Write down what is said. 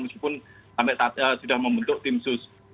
meskipun sampai saat sudah membentuk tim sus